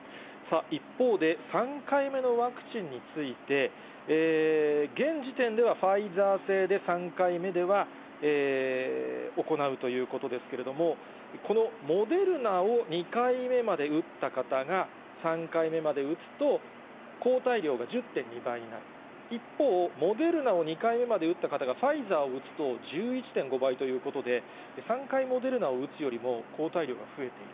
一方で、３回目のワクチンについて、現時点ではファイザー製で３回目では行うということですけれども、このモデルナを２回目まで打った方が３回目まで打つと、抗体量が１０．２倍になる、一方、モデルナを２回目まで打った方がファイザーを打つと１１．５倍ということで、３回モデルナを打つよりも抗体量が増えている。